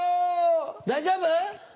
大丈夫？